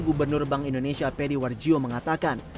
gubernur bank indonesia peri warjio mengatakan